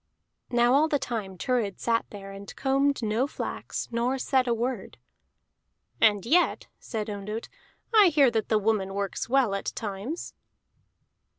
Now all the time Thurid sat there, and combed no flax, nor said a word. "And yet," said Ondott, "I hear that the woman works well at times."